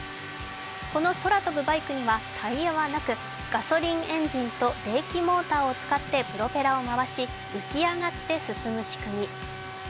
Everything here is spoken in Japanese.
この空飛ぶバイクにはタイヤはなく、ガソリンエンジンと電気モーターを使ってプロペラを回し浮き上がって進む仕組み。